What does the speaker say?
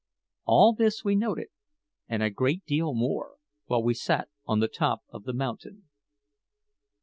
All this we noted, and a great deal more, while we sat on the top of the mountain.